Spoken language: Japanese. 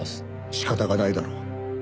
仕方がないだろ。